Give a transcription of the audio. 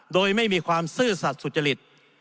โดยไม่มีความซื่อสัตว์สุจริต